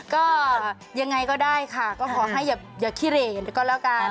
ก็ยังไงก็ได้ค่ะก็ขอให้อย่าขี้เหลก็แล้วกัน